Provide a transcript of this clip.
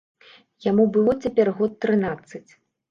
Яму было цяпер год трынаццаць.